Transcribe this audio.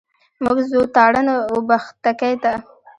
موږ ځو تارڼ اوبښتکۍ ته.